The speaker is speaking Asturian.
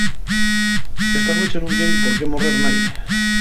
Esta nueche nun tien por qué morrer naide.